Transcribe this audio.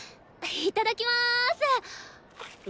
いただきます。